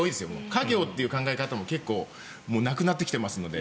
家業という考え方も結構なくなってきてますので。